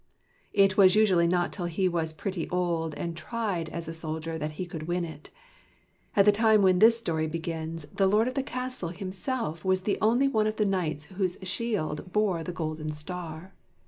It was usually not till he was pretty old and tried as a soldier that he could win it. At the time when this story begins, the lord of the castle himself was the only one of the knights whose shield bore the golden star.